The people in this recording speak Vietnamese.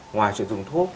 ngoài chuyện dùng thuốc